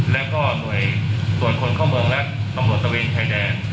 และก็โดยส่วนคนเข้าเมืองและตำรวจตะเวนไทยแดน